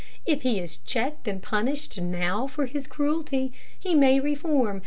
If he is checked and punished now for his cruelty, he may reform.